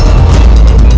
bahkan prabu amuk marugul